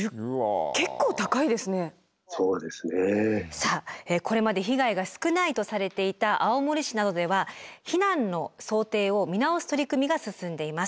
さあこれまで被害が少ないとされていた青森市などでは避難の想定を見直す取り組みが進んでいます。